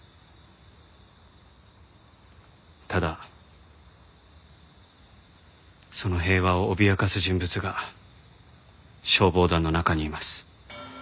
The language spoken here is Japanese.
ただその平和を脅かす人物が消防団の中にいます。